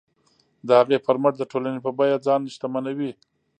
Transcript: د هغې پر مټ د ټولنې په بیه ځان شتمنوي.